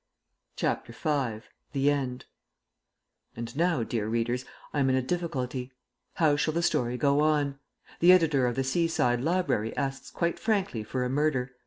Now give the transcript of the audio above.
CHAPTER V THE END [And now, dear readers, I am in a difficulty. How shall the story go on? The editor of The Seaside Library asks quite frankly for a murder.